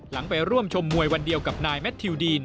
ไปร่วมชมมวยวันเดียวกับนายแมททิวดีน